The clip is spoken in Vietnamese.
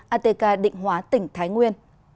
atk định hóa tỉnh thái nguyên